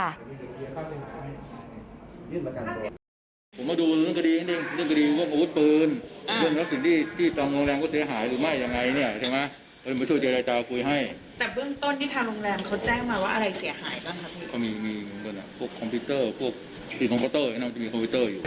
ถ้าโรงแรมอยู่มีใครมีรู้สึกว่ามีใครมีอะไรไหมหรือมีการไกล่เกลี่ยอะไรกัน